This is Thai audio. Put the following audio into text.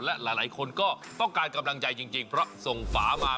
และหลายคนก็ต้องการกำลังใจจริงเพราะส่งฝามา